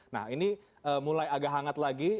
nah ini mulai agak hangat lagi